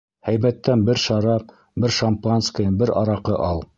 Һәйбәттән бер шарап, бер шампанское, бер араҡы ал.